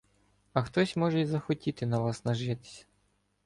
А хтось може й захотіти на вас нажитися